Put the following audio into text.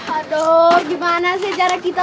aduh gimana sih cara kita